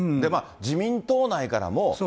自民党内からも。